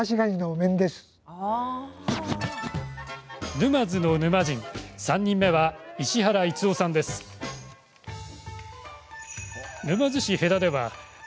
沼津のヌマ人３人目は、石原逸雄さんです。